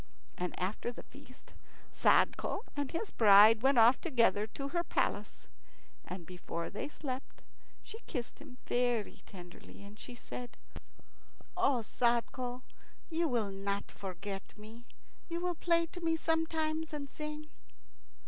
And after the feast Sadko and his bride went off together to her palace. And before they slept she kissed him very tenderly, and she said, "O Sadko, you will not forget me? You will play to me sometimes, and sing?"